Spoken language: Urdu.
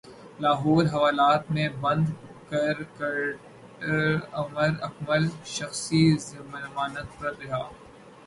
لاہور حوالات مں بند کرکٹر عمر اکمل شخصی ضمانت پر رہا